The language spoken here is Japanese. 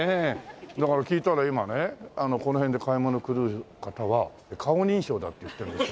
だから聞いたら今ねこの辺で買い物来る方は顔認証だっていってるんですよ。